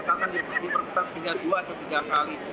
sehingga hari ini semua pengetahuan diperketat sehingga dua atau tiga kali